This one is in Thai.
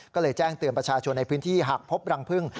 ก็เลยแจ้งเตือนประชาชนในพื้นที่หากพบรังพึ่ง